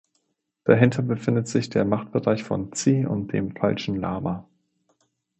Dahinter befindet sich der Machtbereich von Tzi und dem Falschen Lama.